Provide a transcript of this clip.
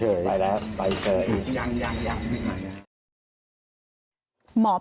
พระต่ายสวดมนต์